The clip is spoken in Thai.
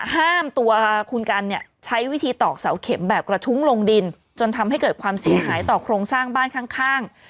ตัวคุณกันเนี่ยใช้วิธีตอกเสาเข็มแบบกระทุ้งลงดินจนทำให้เกิดความเสียหายต่อโครงสร้างบ้านข้าง